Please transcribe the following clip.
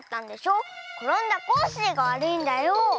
ころんだコッシーがわるいんだよ。